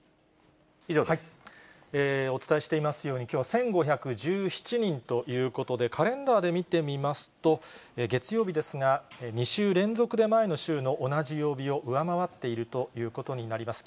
お伝えしていますように、きょうは１５１７人ということで、カレンダーで見てみますと、月曜日ですが、２週連続で前の週の同じ曜日を上回っているということになります。